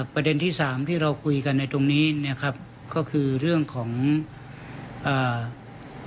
ประเด็นที่สามที่เราคุยกันในตรงนี้เนี้ยครับก็คือเรื่องของอ่า